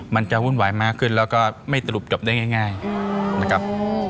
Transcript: มันจะวุ่นวายมากขึ้นแล้วก็ไม่สรุปจบได้ง่ายนะครับ